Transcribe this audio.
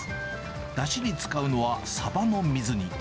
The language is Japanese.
だしに使うのはサバの水煮。